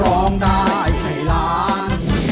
ร้องได้ให้ล้าน